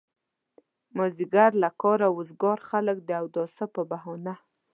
مازيګر له کاره وزګار خلک د اوداسه په بهانه.